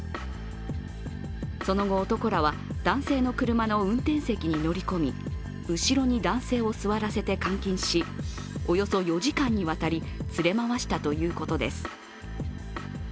その後、男らは男性の車の運転席に乗り込み後ろに男性を座らせて監禁しおよそ４時間にわたり連れ回したということです。